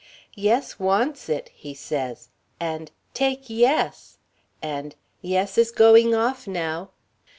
'Yes wants it,' he says, and 'Take Yes,' and 'Yes is going off now.'